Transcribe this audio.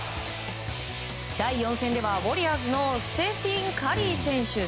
第４戦ではウォリアーズのステフィン・カリー選手